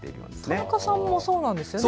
田中さんもそうなんですよね。